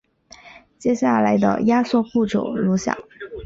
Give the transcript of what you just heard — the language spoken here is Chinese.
接下来的压缩步骤如下。